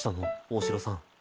大城さん。